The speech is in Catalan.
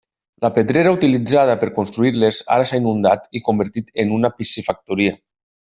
La pedrera utilitzada per construir-les ara s'ha inundat i convertit en una piscifactoria.